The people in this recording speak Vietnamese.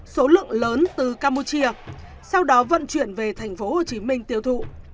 số lượng lớn từ campuchia sau đó vận chuyển về tp hcm tiêu thụ